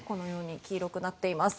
黄色くなっています。